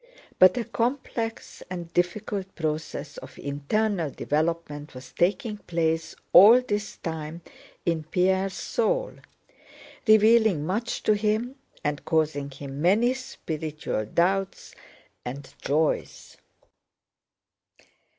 But a complex and difficult process of internal development was taking place all this time in Pierre's soul, revealing much to him and causing him many spiritual doubts and joys.